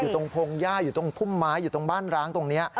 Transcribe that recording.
ตรงพงหญ้าอยู่ตรงพุ่มไม้อยู่ตรงบ้านร้างตรงนี้